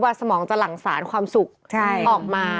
สมองจะหลั่งสารความสุขออกมา